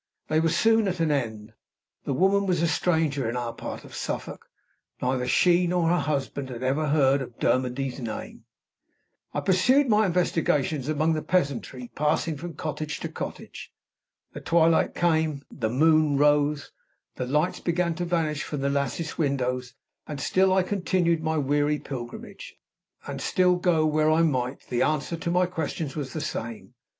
They were soon at an end. The woman was a stranger in our part of Suffolk; neither she nor her husband had ever heard of Dermody's name. I pursued my investigations among the peasantry, passing from cottage to cottage. The twilight came; the moon rose; the lights began to vanish from the lattice windows; and still I continued my weary pilgrimage; and still, go where I might, the answer to my questions was the same.